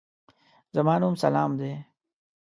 زما نوم سلام دی.